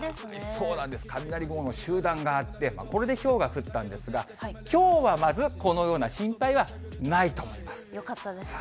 そうなんです、雷雲の集団があって、これでひょうが降ったんですが、きょうはまず、このようよかったです。